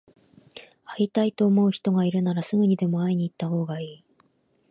会いたいと思う人がいるなら、すぐにでも会いに行ったほうがいい。